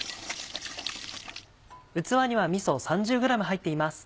器にはみそ３０ｇ入っています。